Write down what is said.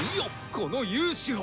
この雄姿を！